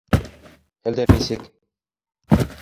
Хәлдәр нисек?